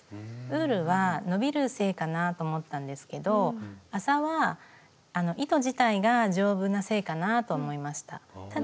ウールは伸びるせいかなと思ったんですけど麻は糸自体が丈夫なせいかなと思いました。